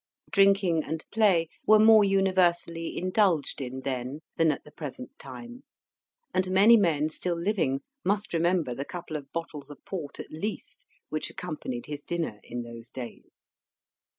Drinking and play were more universally indulged in then than at the present time, and many men still living must remember the couple of bottles of port at least which accompanied his dinner in those days.